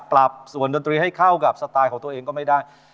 ปรับส่วนดนตรีให้เข้ากับสไตล์ของตัวเองก็ไม่ได้